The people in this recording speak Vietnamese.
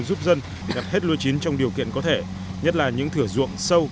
giúp dân gặp hết lúa chín trong điều kiện có thể nhất là những thửa ruộng sâu